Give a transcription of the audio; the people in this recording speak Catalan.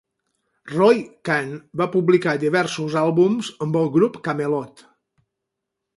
Roy Khan va publicar diversos àlbums amb el grup Kamelot.